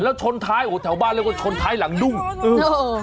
แล้วชนท้ายโอ้โหแถวบ้านเรียกว่าชนท้ายหลังนุ่งเออ